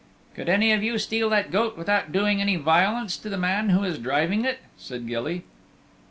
"Could any of you steal that goat without doing any violence to the man who is driving it?" said Gilly.